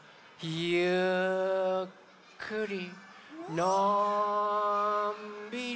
ゆっくりのんびり。